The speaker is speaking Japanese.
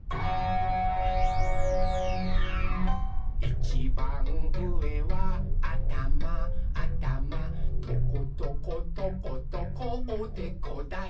「いちばんうえはあたまあたまトコトコトコトコおでこだよ！」